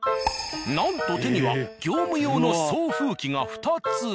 なんと手には業務用の送風機が２つ。